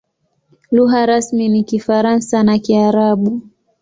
Lugha rasmi ni Kifaransa na Kiarabu.